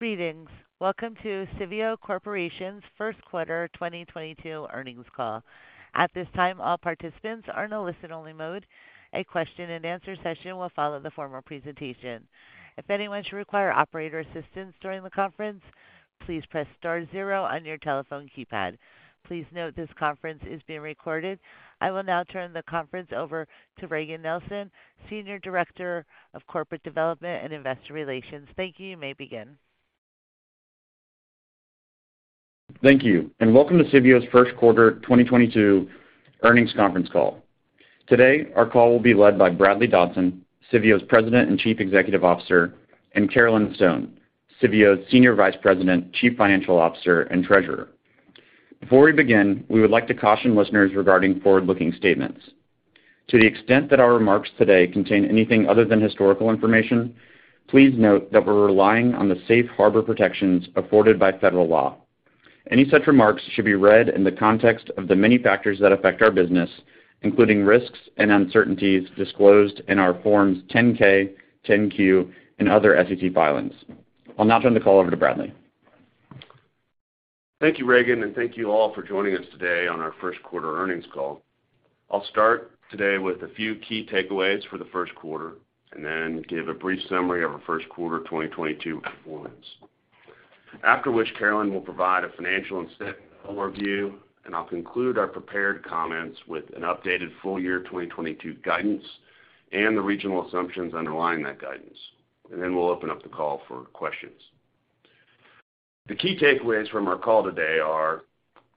Greetings. Welcome to Civeo Corporation's Q1 2022 Earnings Call. At this time, all participants are in a listen-only mode. A question-and-answer session will follow the formal presentation. If anyone should require operator assistance during the conference, please press star zero on your telephone keypad. Please note this conference is being recorded. I will now turn the conference over to Regan Nielsen, Senior Director of Corporate Development and Investor Relations. Thank you. You may begin. Thank you, and welcome to Civeo's Q1 2022 Earnings Conference Call. Today, our call will be led by Bradley Dodson, Civeo's President and Chief Executive Officer, and Carolyn Stone, Civeo's Senior Vice President, Chief Financial Officer, and Treasurer. Before we begin, we would like to caution listeners regarding forward-looking statements. To the extent that our remarks today contain anything other than historical information, please note that we're relying on the safe harbor protections afforded by federal law. Any such remarks should be read in the context of the many factors that affect our business, including risks and uncertainties disclosed in our Forms 10-K, 10-Q, and other SEC filings. I'll now turn the call over to Bradley. Thank you, Regan, and thank you all for joining us today on our Q1 earnings call. I'll start today with a few key takeaways for the Q1 and then give a brief summary of our Q1 2022 performance. After which, Carolyn will provide a financial statement overview, and I'll conclude our prepared comments with an updated full year 2022 guidance and the regional assumptions underlying that guidance. We'll open up the call for questions. The key takeaways from our call today are.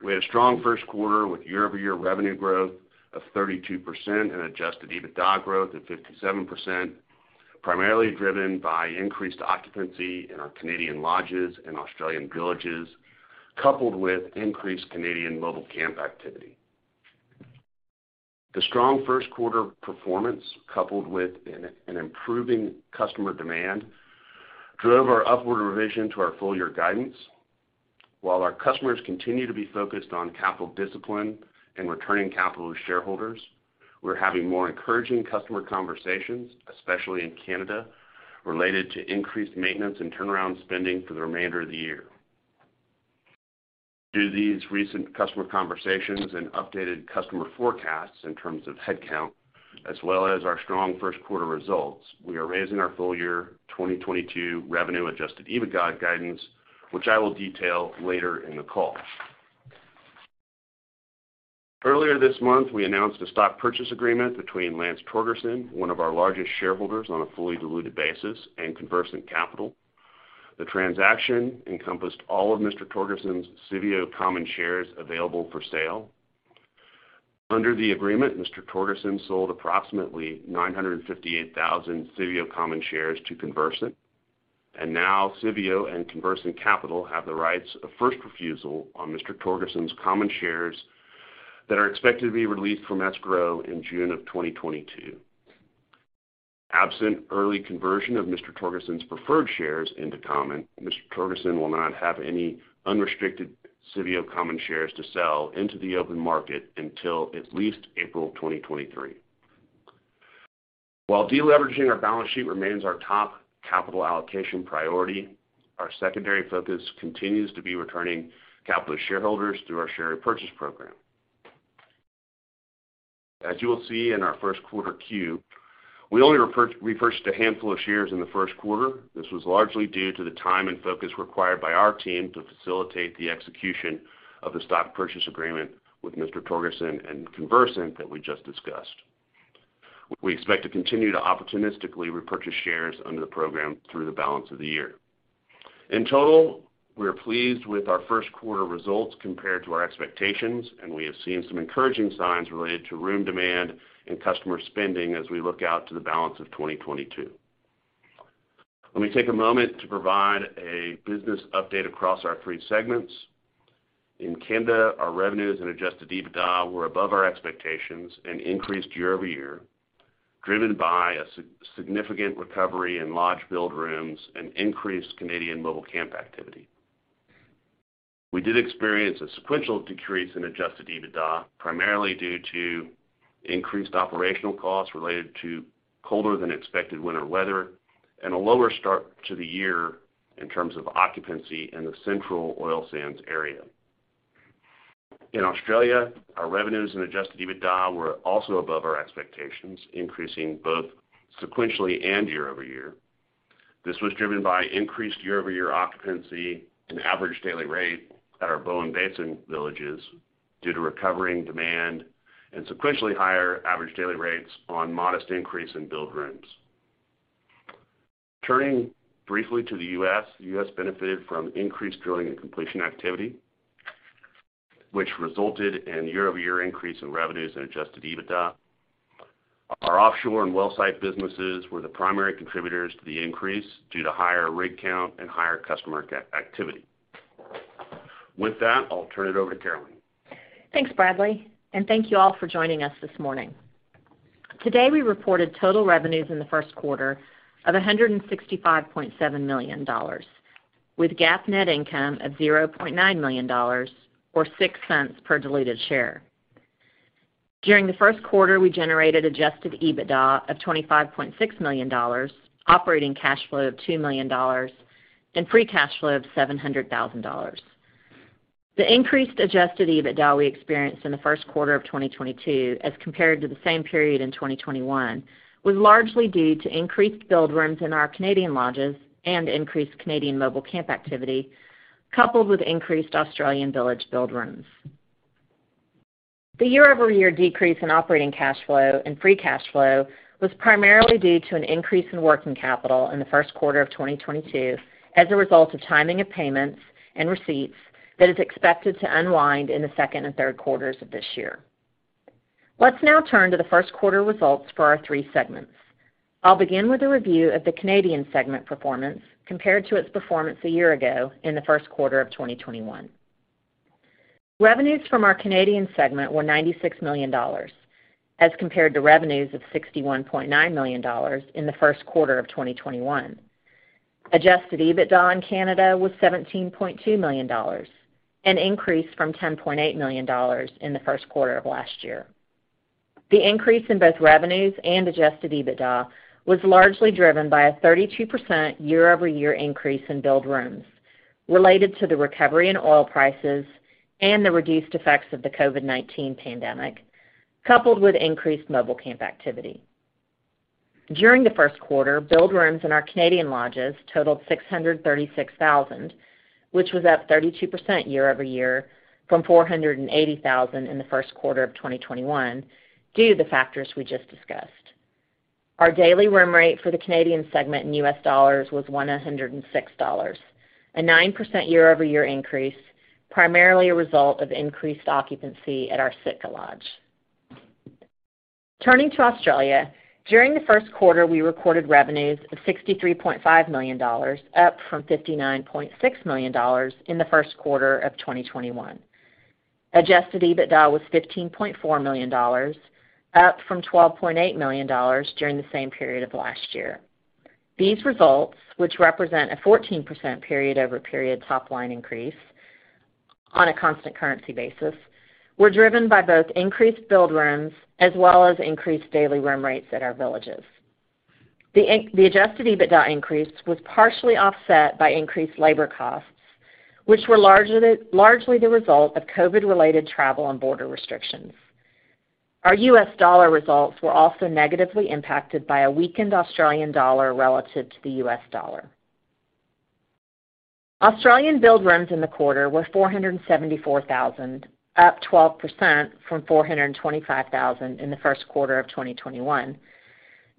We had a strong Q1 with year-over-year revenue growth of 32% and Adjusted EBITDA growth of 57%, primarily driven by increased occupancy in our Canadian lodges and Australian villages, coupled with increased Canadian mobile camp activity. The strong Q1 performance, coupled with an improving customer demand, drove our upward revision to our full year guidance. While our customers continue to be focused on capital discipline and returning capital to shareholders, we're having more encouraging customer conversations, especially in Canada, related to increased maintenance and turnaround spending for the remainder of the year. Through these recent customer conversations and updated customer forecasts in terms of headcount, as well as our strong Q1 results, we are raising our full year 2022 revenue Adjusted EBITDA guidance, which I will detail later in the call. Earlier this month, we announced a stock purchase agreement between Lance Torgerson, one of our largest shareholders on a fully diluted basis, and Conversant Capital. The transaction encompassed all of Mr. Torgerson's Civeo common shares available for sale. Under the agreement, Mr. Torgerson sold approximately 958,000 Civeo common shares to Conversant, and now Civeo and Conversant Capital have the rights of first refusal on Mr. Torgerson's common shares that are expected to be released from escrow in June of 2022. Absent early conversion of Mr. Torgerson's preferred shares into common, Mr. Torgerson will not have any unrestricted Civeo common shares to sell into the open market until at least April 2023. While deleveraging our balance sheet remains our top capital allocation priority, our secondary focus continues to be returning capital to shareholders through our share repurchase program. As you will see in our Q1 10-Q, we only repurchased a handful of shares in the Q1. This was largely due to the time and focus required by our team to facilitate the execution of the stock purchase agreement with Mr. Torgerson and Conversant that we just discussed. We expect to continue to opportunistically repurchase shares under the program through the balance of the year. In total, we are pleased with our Q1 results compared to our expectations, and we have seen some encouraging signs related to room demand and customer spending as we look out to the balance of 2022. Let me take a moment to provide a business update across our three segments. In Canada, our revenues and Adjusted EBITDA were above our expectations and increased year-over-year, driven by a significant recovery in lodge billed rooms and increased Canadian mobile camp activity. We did experience a sequential decrease in Adjusted EBITDA, primarily due to increased operational costs related to colder than expected winter weather and a lower start to the year in terms of occupancy in the central oil sands area. In Australia, our revenues and Adjusted EBITDA were also above our expectations, increasing both sequentially and year-over-year. This was driven by increased year-over-year occupancy and average daily rate at our Bowen Basin villages due to recovering demand and sequentially higher average daily rates on modest increase in billed rooms. Turning briefly to the U.S. U.S. benefited from increased drilling and completion activity, which resulted in year-over-year increase in revenues and Adjusted EBITDA. Our offshore and well site businesses were the primary contributors to the increase due to higher rig count and higher customer activity. With that, I'll turn it over to Carolyn. Thanks, Bradley, and thank you all for joining us this morning. Today, we reported total revenues in the Q1 of $165.7 million, with GAAP net income of $0.9 million or $0.06 per diluted share. During the Q1, we generated Adjusted EBITDA of $25.6 million, operating cash flow of $2 million, and free cash flow of $700,000. The increased Adjusted EBITDA we experienced in the Q1 of 2022 as compared to the same period in 2021 was largely due to increased billed rooms in our Canadian lodges and increased Canadian mobile camp activity, coupled with increased Australian village billed rooms. The year-over-year decrease in operating cash flow and free cash flow was primarily due to an increase in working capital in the Q1 of 2022 as a result of timing of payments and receipts that is expected to unwind in the second and Q3 of this year. Let's now turn to the Q1 results for our three segments. I'll begin with a review of the Canadian segment performance compared to its performance a year ago in the Q1 of 2021. Revenues from our Canadian segment were $96 million, as compared to revenues of $61.9 million in the Q1 of 2021. Adjusted EBITDA in Canada was $17.2 million, an increase from $10.8 million in the Q1 of last year. The increase in both revenues and Adjusted EBITDA was largely driven by a 32% year-over-year increase in billed rooms related to the recovery in oil prices and the reduced effects of the COVID-19 pandemic, coupled with increased mobile camp activity. During the Q1, billed rooms in our Canadian lodges totaled 636,000, which was up 32% year-over-year from 480,000 in the Q1 of 2021 due to the factors we just discussed. Our daily room rate for the Canadian segment in U.S. dollars was $106, a 9% year-over-year increase, primarily a result of increased occupancy at our Sitka Lodge. Turning to Australia, during the Q1, we recorded revenues of $63.5 million, up from $59.6 million in the Q1 of 2021. Adjusted EBITDA was $15.4 million, up from $12.8 million during the same period of last year. These results, which represent a 14% period-over-period top line increase on a constant currency basis, were driven by both increased billed rooms as well as increased daily room rates at our villages. The adjusted EBITDA increase was partially offset by increased labor costs, which were largely the result of COVID-related travel and border restrictions. Our US dollar results were also negatively impacted by a weakened Australian dollar relative to the US dollar. Australian billed rooms in the quarter were 474,000, up 12% from 425,000 in the Q1 of 2021,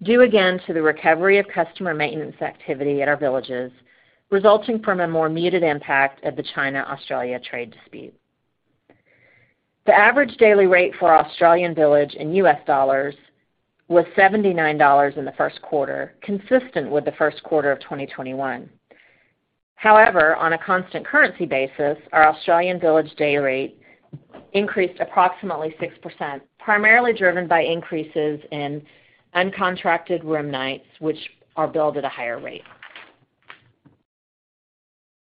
due again to the recovery of customer maintenance activity at our villages resulting from a more muted impact of the China-Australia trade dispute. The average daily rate for Australian village in US dollars was $79 in the Q1, consistent with the Q1 of 2021. However, on a constant currency basis, our Australian village day rate increased approximately 6%, primarily driven by increases in uncontracted room nights, which are billed at a higher rate.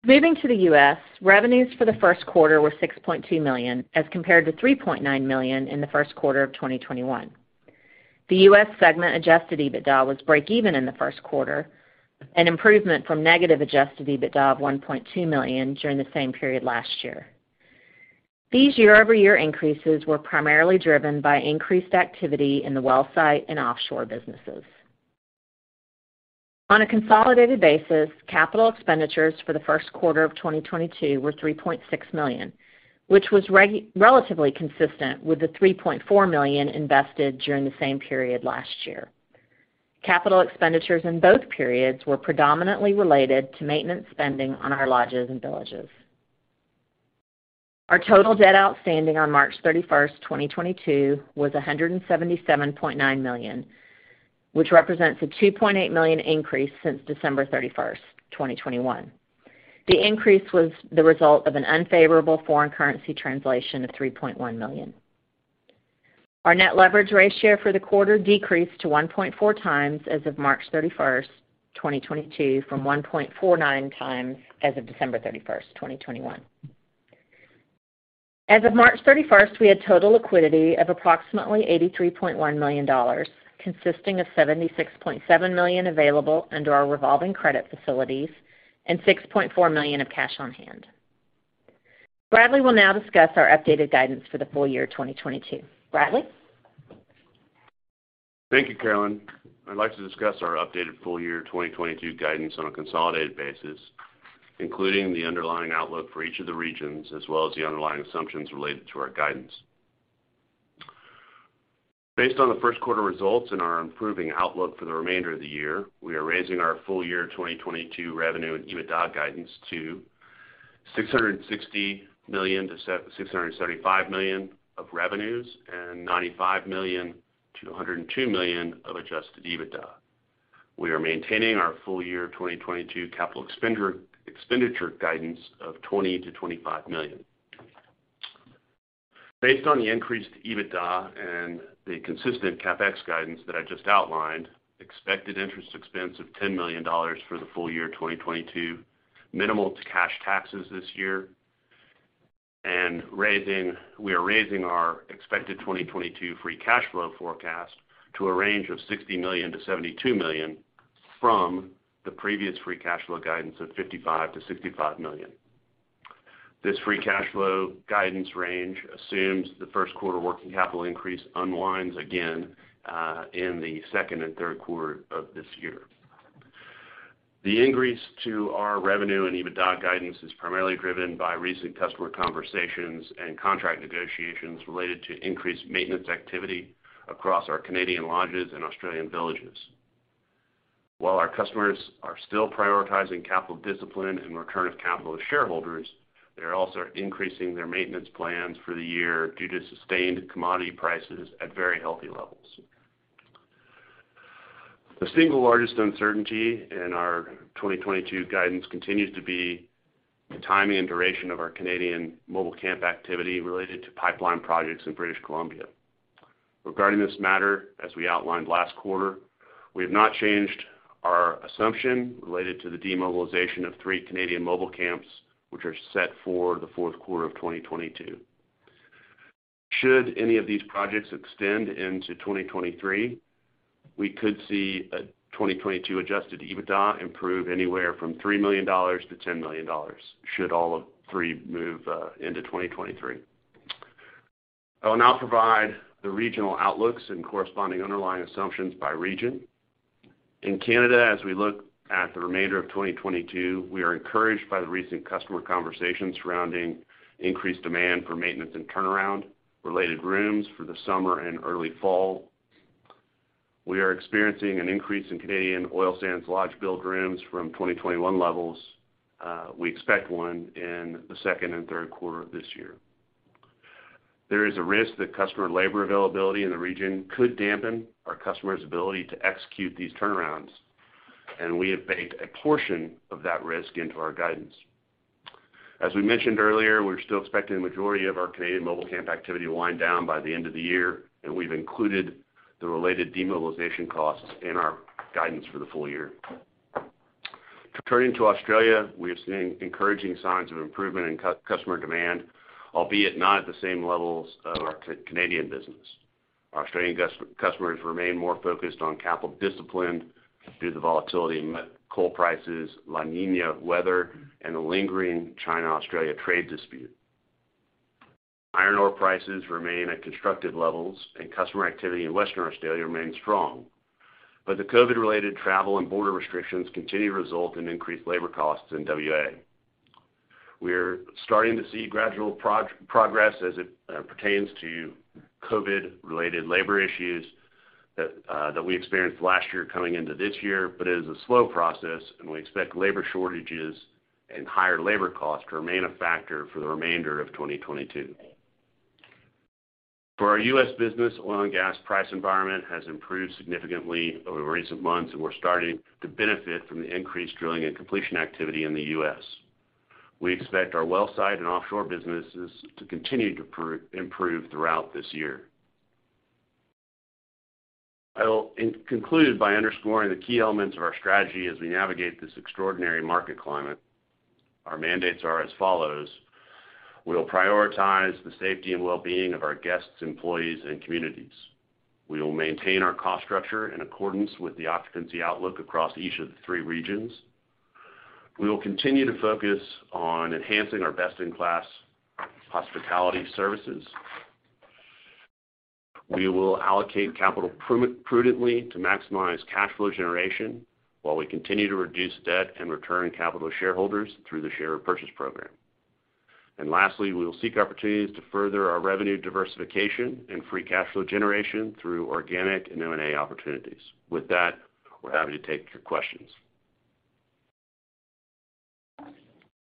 Moving to the US, revenues for the Q1 were $6.2 million, as compared to $3.9 million in the Q1 of 2021. The US segment Adjusted EBITDA was break even in the Q1, an improvement from negative Adjusted EBITDA of $1.2 million during the same period last year. These year-over-year increases were primarily driven by increased activity in the well site and offshore businesses. On a consolidated basis, capital expenditures for the Q1 of 2022 were $3.6 million, which was relatively consistent with the $3.4 million invested during the same period last year. Capital expenditures in both periods were predominantly related to maintenance spending on our lodges and villages. Our total debt outstanding on March 31, 2022 was $177.9 million, which represents a $2.8 million increase since December 31, 2021. The increase was the result of an unfavorable foreign currency translation of $3.1 million. Our net leverage ratio for the quarter decreased to 1.4x as of March 31, 2022 from 1.49x as of December 31, 2021. As of March 31, we had total liquidity of approximately $83.1 million, consisting of $76.7 million available under our revolving credit facilities and $6.4 million of cash on hand. Bradley will now discuss our updated guidance for the full year 2022. Bradley? Thank you, Carolyn. I'd like to discuss our updated full year 2022 guidance on a consolidated basis, including the underlying outlook for each of the regions as well as the underlying assumptions related to our guidance. Based on the Q1 results and our improving outlook for the remainder of the year, we are raising our full year 2022 revenue and EBITDA guidance to $660 million-$675 million of revenues and $95 million-$102 million of adjusted EBITDA. We are maintaining our full year 2022 capital expenditure guidance of $20 million-$25 million. Based on the increased EBITDA and the consistent CapEx guidance that I just outlined, expected interest expense of $10 million for the full year 2022. Minimal cash taxes this year. We are raising our expected 2022 free cash flow forecast to a range of $60 million-$72 million from the previous free cash flow guidance of $55 million-$65 million. This free cash flow guidance range assumes the Q1 working capital increase unwinds again in the Q2 and Q3 of this year. The increase to our revenue and EBITDA guidance is primarily driven by recent customer conversations and contract negotiations related to increased maintenance activity across our Canadian lodges and Australian villages. While our customers are still prioritizing capital discipline and return of capital to shareholders, they're also increasing their maintenance plans for the year due to sustained commodity prices at very healthy levels. The single largest uncertainty in our 2022 guidance continues to be the timing and duration of our Canadian mobile camp activity related to pipeline projects in British Columbia. Regarding this matter, as we outlined last quarter, we have not changed our assumption related to the demobilization of three Canadian mobile camps, which are set for the Q4 of 2022. Should any of these projects extend into 2023, we could see a 2022 Adjusted EBITDA improve anywhere from $3 million to $10 million should all of three move into 2023. I will now provide the regional outlooks and corresponding underlying assumptions by region. In Canada, as we look at the remainder of 2022, we are encouraged by the recent customer conversations surrounding increased demand for maintenance and turnaround related rooms for the summer and early fall. We are experiencing an increase in Canadian oil sands lodge billed rooms from 2021 levels. We expect one in the second and Q3 of this year. There is a risk that customer labor availability in the region could dampen our customer's ability to execute these turnarounds, and we have baked a portion of that risk into our guidance. As we mentioned earlier, we're still expecting the majority of our Canadian mobile camp activity to wind down by the end of the year, and we've included the related demobilization costs in our guidance for the full year. Turning to Australia, we are seeing encouraging signs of improvement in customer demand, albeit not at the same levels of our Canadian business. Our Australian customers remain more focused on capital discipline due to the volatility in coal prices, La Niña weather, and the lingering China-Australia trade dispute. Iron ore prices remain at constructive levels, and customer activity in Western Australia remains strong. The COVID-related travel and border restrictions continue to result in increased labor costs in WA. We're starting to see gradual progress as it pertains to COVID-19-related labor issues that we experienced last year coming into this year. It is a slow process, and we expect labor shortages and higher labor costs to remain a factor for the remainder of 2022. For our U.S. business, oil and gas price environment has improved significantly over recent months, and we're starting to benefit from the increased drilling and completion activity in the U.S. We expect our well site and offshore businesses to continue to improve throughout this year. I will conclude by underscoring the key elements of our strategy as we navigate this extraordinary market climate. Our mandates are as follows. We will prioritize the safety and well-being of our guests, employees, and communities. We will maintain our cost structure in accordance with the occupancy outlook across each of the three regions. We will continue to focus on enhancing our best-in-class hospitality services. We will allocate capital prudently to maximize cash flow generation while we continue to reduce debt and return capital to shareholders through the share purchase program. Lastly, we will seek opportunities to further our revenue diversification and free cash flow generation through organic and M&A opportunities. With that, we're happy to take your questions.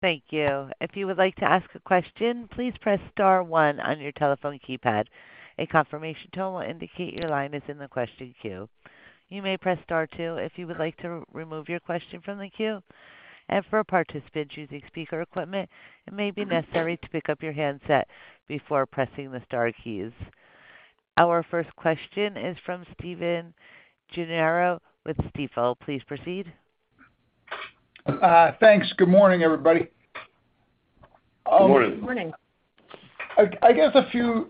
Thank you. If you would like to ask a question, please press star one on your telephone keypad. A confirmation tone will indicate your line is in the question queue. You may press star two if you would like to remove your question from the queue. For participants using speaker equipment, it may be necessary to pick up your handset before pressing the star keys. Our first question is from Stephen Gengaro with Stifel. Please proceed. Thanks. Good morning, everybody. Good morning. Good morning. I guess a few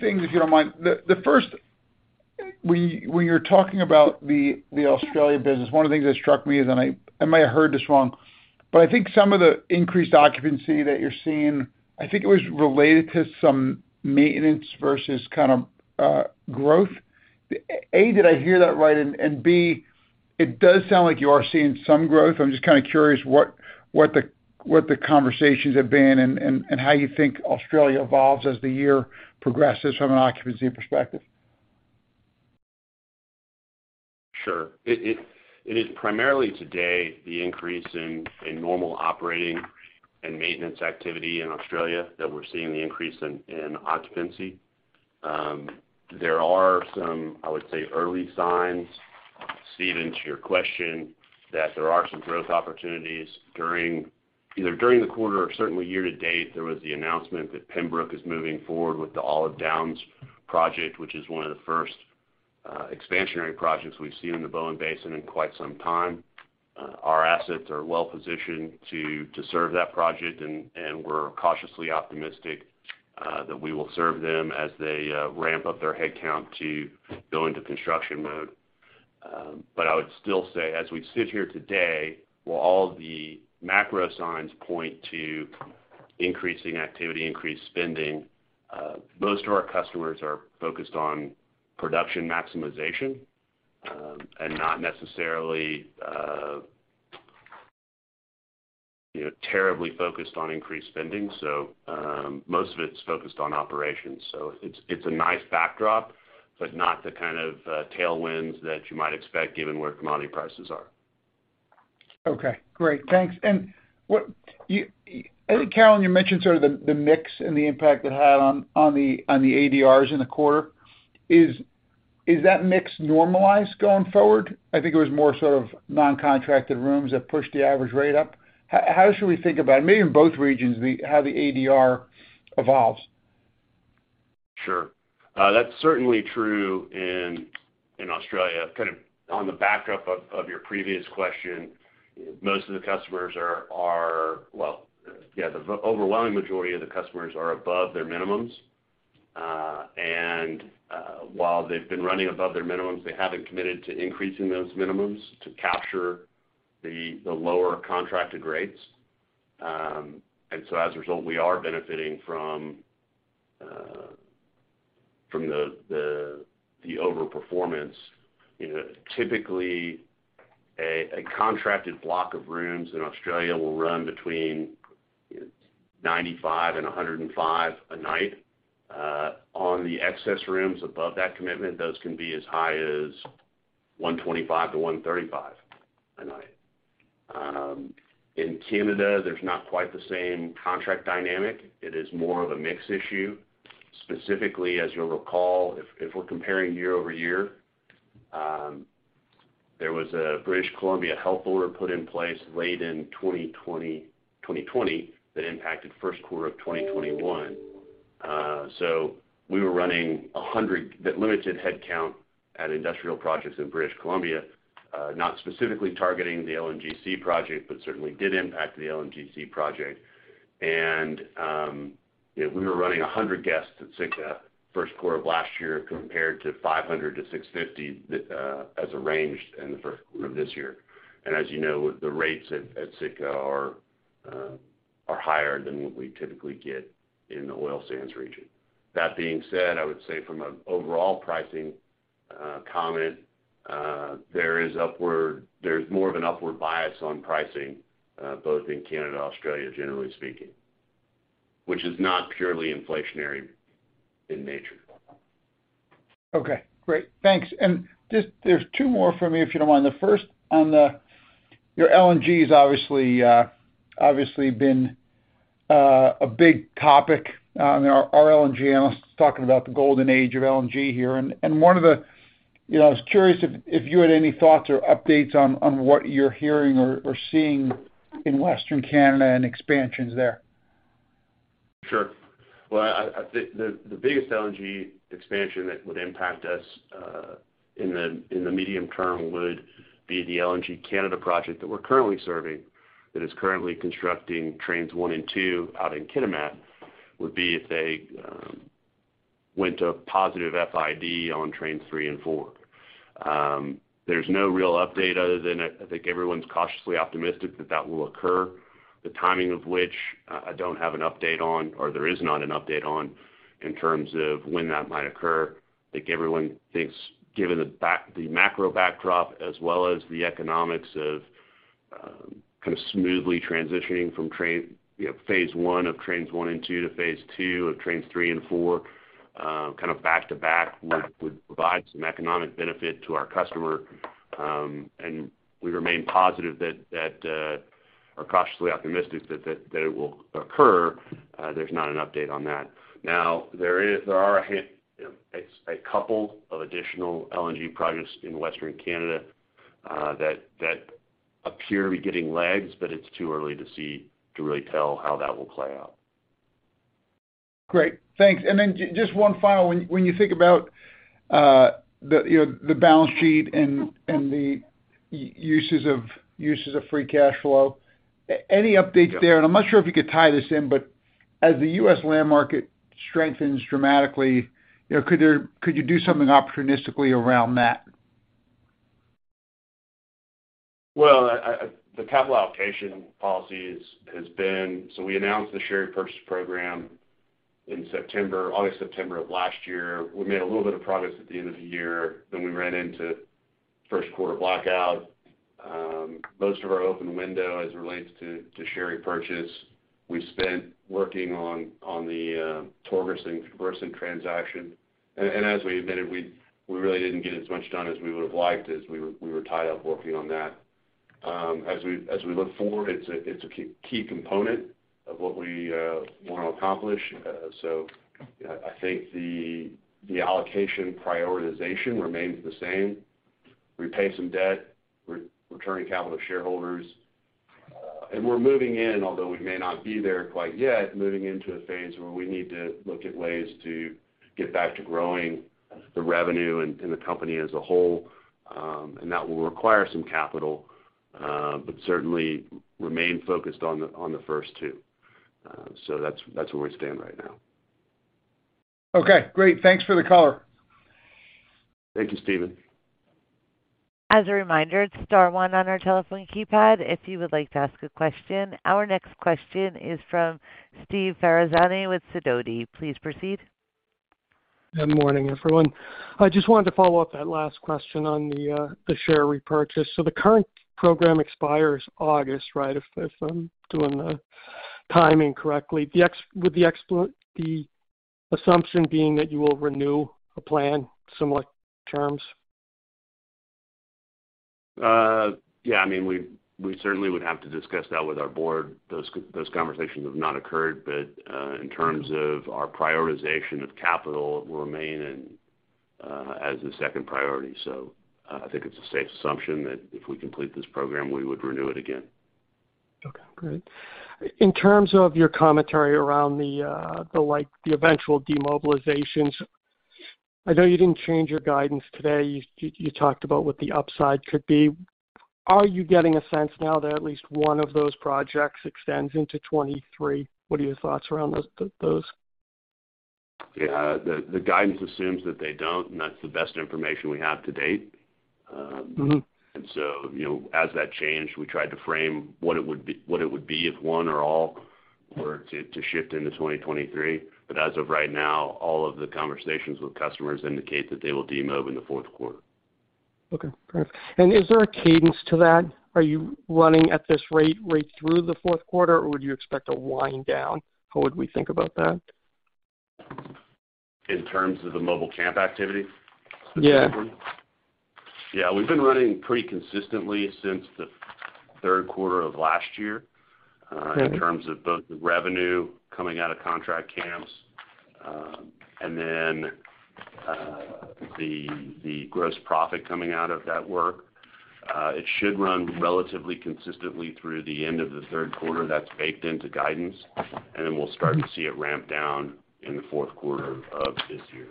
things, if you don't mind. The first, when you're talking about the Australia business, one of the things that struck me is, and I might have heard this wrong. I think some of the increased occupancy that you're seeing, I think it was related to some maintenance versus kind of, growth. A, did I hear that right? B, it does sound like you are seeing some growth. I'm just kinda curious what the conversations have been and how you think Australia evolves as the year progresses from an occupancy perspective. Sure. It is primarily today the increase in normal operating and maintenance activity in Australia that we're seeing the increase in occupancy. There are some, I would say, early signs, Stephen, to your question, that there are some growth opportunities either during the quarter or certainly year to date. There was the announcement that Pembroke is moving forward with the Olive Downs project, which is one of the first expansionary projects we've seen in the Bowen Basin in quite some time. Our assets are well-positioned to serve that project, and we're cautiously optimistic that we will serve them as they ramp up their headcount to go into construction mode. I would still say, as we sit here today, while all the macro signs point to increasing activity, increased spending, most of our customers are focused on production maximization, and not necessarily, you know, terribly focused on increased spending. Most of it's focused on operations. It's a nice backdrop, but not the kind of tailwinds that you might expect given where commodity prices are. Okay. Great. Thanks. I think, Carolyn, you mentioned sort of the mix and the impact it had on the ADRs in the quarter. Is that mix normalized going forward? I think it was more sort of non-contracted rooms that pushed the average rate up. How should we think about, maybe in both regions, how the ADR evolves? Sure. That's certainly true in Australia. Kind of on the back of your previous question, well, yeah, the overwhelming majority of the customers are above their minimums. While they've been running above their minimums, they haven't committed to increasing those minimums to capture the lower contracted rates. As a result, we are benefiting from the overperformance. You know, typically, a contracted block of rooms in Australia will run between $95-$105 a night. On the excess rooms above that commitment, those can be as high as $125-$135 a night. In Canada, there's not quite the same contract dynamic. It is more of a mix issue. Specifically, as you'll recall, if we're comparing year-over-year, there was a British Columbia health order put in place late in 2020 that impacted Q1 of 2021. So that limited headcount at industrial projects in British Columbia, not specifically targeting the LNGC project, but certainly did impact the LNGC project. We were running 100 guests at Sitka Q1 of last year compared to 500-650 as a range in the Q1 of this year. As you know, the rates at Sitka are higher than what we typically get in the oil sands region. That being said, I would say from an overall pricing comment, there is more of an upward bias on pricing both in Canada and Australia, generally speaking, which is not purely inflationary in nature. Okay, great. Thanks. Just there's two more for me, if you don't mind. The first on your LNG has obviously been a big topic. I mean, our LNG analyst is talking about the golden age of LNG here. You know, I was curious if you had any thoughts or updates on what you're hearing or seeing in Western Canada and expansions there. Sure. Well, the biggest LNG expansion that would impact us in the medium term would be the LNG Canada project that we're currently serving, that is currently constructing trains one and two out in Kitimat. It would be if they went to a positive FID on trains three and four. There's no real update other than I think everyone's cautiously optimistic that that will occur, the timing of which I don't have an update on, or there is not an update on in terms of when that might occur. I think everyone thinks given the macro backdrop as well as the economics of kind of smoothly transitioning from train, you know, phase I of trains one and two to phase II of trains three and four kind of back-to-back would provide some economic benefit to our customer. We remain positive or cautiously optimistic that it will occur. There's not an update on that. Now, there are, you know, a couple of additional LNG projects in Western Canada that appear to be getting legs, but it's too early to see, to really tell how that will play out. Great. Thanks. Just one final. When you think about, you know, the balance sheet and the uses of free cash flow, any updates there? I'm not sure if you could tie this in, but as the U.S. land market strengthens dramatically, you know, could you do something opportunistically around that? The capital allocation policy has been. We announced the share repurchase program in August, September of last year. We made a little bit of progress at the end of the year, then we ran into Q1 blackout. Most of our open window as it relates to share repurchase, we spent working on the Torgerson transaction. As we admitted, we really didn't get as much done as we would've liked as we were tied up working on that. As we look forward, it's a key component of what we wanna accomplish. I think the allocation prioritization remains the same. We pay some debt. We're returning capital to shareholders. We're moving in, although we may not be there quite yet, moving into a phase where we need to look at ways to get back to growing the revenue and the company as a whole. That will require some capital, but certainly remain focused on the first two. That's where we stand right now. Okay, great. Thanks for the color. Thank you, Stephen. As a reminder, it's star one on our telephone keypad if you would like to ask a question. Our next question is from Steve Ferazani with Sidoti. Please proceed. Good morning, everyone. I just wanted to follow up on that last question on the share repurchase. The current program expires August, right? If I'm doing the timing correctly. The assumption being that you will renew a plan, similar terms? Yeah, I mean, we certainly would have to discuss that with our board. Those conversations have not occurred, but in terms of our prioritization of capital, it will remain in as a second priority. I think it's a safe assumption that if we complete this program, we would renew it again. Okay, great. In terms of your commentary around the like, the eventual demobilizations, I know you didn't change your guidance today. You talked about what the upside could be. Are you getting a sense now that at least one of those projects extends into 2023? What are your thoughts around those? Yeah. The guidance assumes that they don't, and that's the best information we have to date. Mm-hmm. You know, as that changed, we tried to frame what it would be if one or all were to shift into 2023. As of right now, all of the conversations with customers indicate that they will demo in the Q4. Okay, perfect. Is there a cadence to that? Are you running at this rate right through the Q4, or would you expect to wind down? How would we think about that? In terms of the mobile camp activity? Yeah. Yeah. We've been running pretty consistently since the Q3 of last year. Okay In terms of both the revenue coming out of contract camps, and then, the gross profit coming out of that work. It should run relatively consistently through the end of the Q3. That's baked into guidance. We'll start to see it ramp down in the Q4 of this year.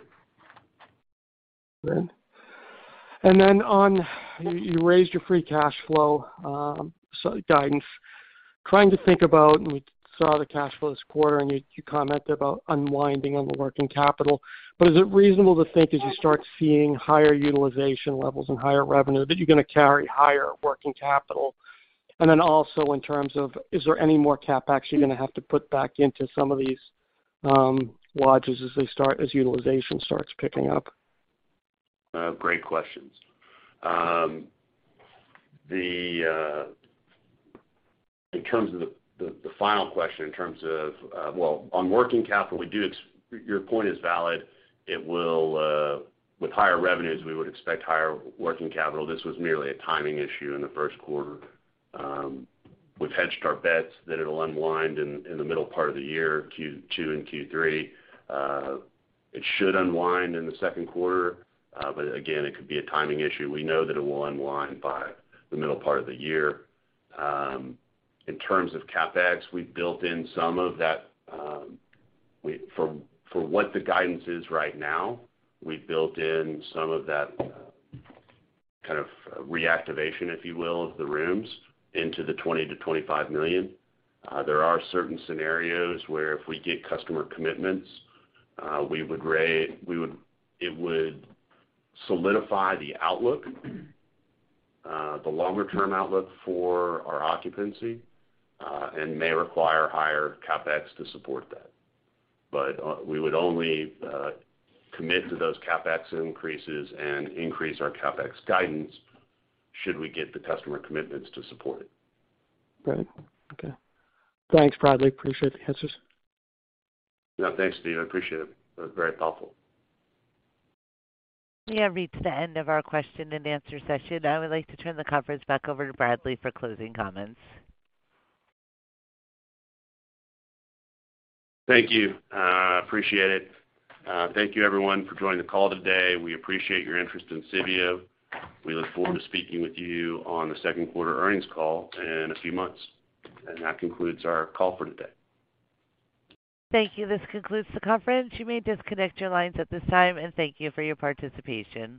You raised your free cash flow guidance. Trying to think about, we saw the cash flow this quarter, and you commented about unwinding on the working capital. Is it reasonable to think as you start seeing higher utilization levels and higher revenue, that you're gonna carry higher working capital? Also in terms of, is there any more CapEx you're gonna have to put back into some of these lodges as utilization starts picking up? Great questions. In terms of the final question. Well, on working capital, your point is valid. It will. With higher revenues, we would expect higher working capital. This was merely a timing issue in the Q1. We've hedged our bets that it'll unwind in the middle part of the year, Q2 and Q3. It should unwind in the Q2, but again, it could be a timing issue. We know that it will unwind by the middle part of the year. In terms of CapEx, we've built in some of that for what the guidance is right now, we've built in some of that kind of reactivation, if you will, of the rooms into the $20 million-$25 million. There are certain scenarios where if we get customer commitments, it would solidify the outlook, the longer term outlook for our occupancy, and may require higher CapEx to support that. We would only commit to those CapEx increases and increase our CapEx guidance should we get the customer commitments to support it. Right. Okay. Thanks, Bradley. Appreciate the answers. Yeah, thanks, Steve. I appreciate it. That was very helpful. We have reached the end of our question and answer session. I would like to turn the conference back over to Bradley for closing comments. Thank you. Appreciate it. Thank you everyone for joining the call today. We appreciate your interest in Civeo. We look forward to speaking with you on the Q2 earnings call in a few months. That concludes our call for today. Thank you. This concludes the conference. You may disconnect your lines at this time, and thank you for your participation.